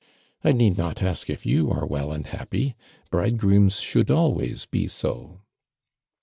I need not ask if you are well and hapjiy — bridegrooms should always be so."